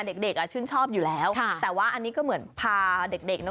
เด็กเด็กอ่ะชื่นชอบอยู่แล้วแต่ว่าอันนี้ก็เหมือนพาเด็กเนอ